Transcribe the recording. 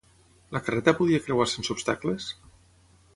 La carreta podia creuar sense obstacles?